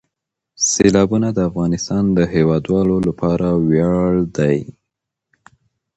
سیلابونه د افغانستان د هیوادوالو لپاره ویاړ دی.